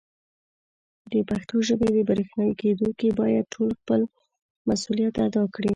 د پښتو ژبې په برښنایې کېدلو کې باید ټول خپل مسولیت ادا کړي.